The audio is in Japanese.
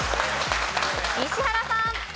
石原さん。